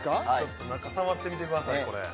中触ってみてください